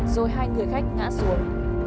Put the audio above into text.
rồi hai người khách ngã xuống